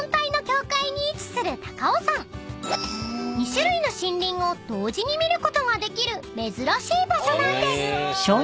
［２種類の森林を同時に見ることができる珍しい場所なんです］